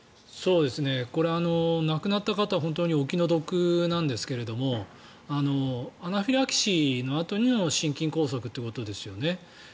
これ、亡くなった方は本当にお気の毒ですがアナフィラキシーのあとの心筋梗塞ということですよね。